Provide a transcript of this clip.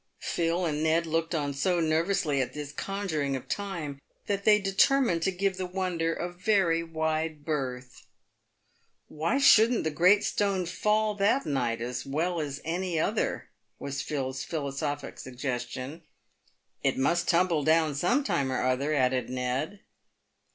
Phil and Ned looked on so nervously at this conjuring of Time, that they determined to give the wonder a very wide berth. " Why Shouldn't the great stone fall that night as well as any other ?" was Phil's philosophic suggestion. " It must tumble down some time or other," added Ned.